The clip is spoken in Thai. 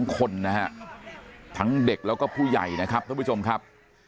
คนนะฮะทั้งเด็กแล้วก็ผู้ใหญ่นะครับท่านผู้ชมครับ